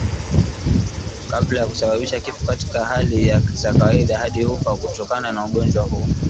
kabla ya kusababisha kifo Katika hali za kawaida hadi hufa kutokana na ugonjwa huu